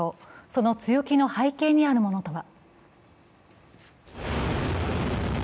その強気の背景にあるものとは。